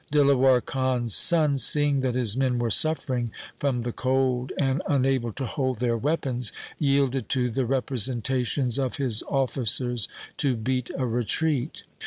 Dilawar Khan's son, seeing that his men were suffering from the cold and unable to hold their weapons, yielded to the representations of his officers to beat a retreat.